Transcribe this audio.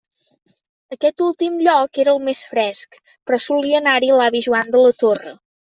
Aquest últim lloc era el més fresc, però solia anar-hi l'avi Joan de la Torre.